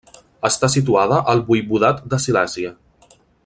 Està situada al Voivodat de Silèsia.